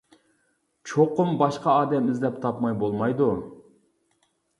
چوقۇم باشقا ئادەم ئىزدەپ تاپماي بولمايدۇ.